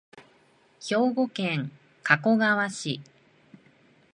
兵庫県加古川市